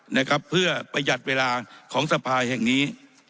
นะครับเพื่อประหยัดเวลาของสภาแห่งนี้